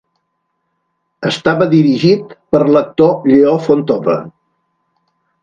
Estava dirigit per l'actor Lleó Fontova.